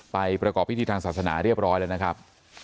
ประกอบพิธีทางศาสนาเรียบร้อยแล้วนะครับ